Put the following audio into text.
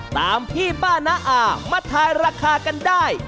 ตามพี่ป้าน้าอามาทายราคากันได้